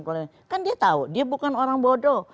kan dia tahu dia bukan orang bodoh